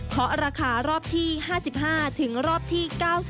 ราคารอบที่๕๕ถึงรอบที่๙๐